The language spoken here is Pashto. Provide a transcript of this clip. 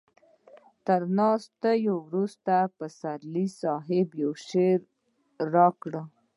تر ناستې وروسته پسرلي صاحب يو شعر راکړ.